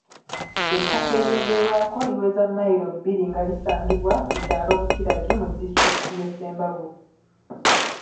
Ettaka eryogerwako liweza mmayiro bbiri nga lisangibwa ku kyalo Bukiragyi mu disitulikiti ye Ssembabule.